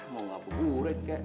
mau ngapu burit kek